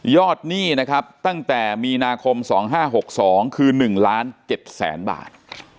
หนี้นะครับตั้งแต่มีนาคม๒๕๖๒คือ๑ล้าน๗แสนบาท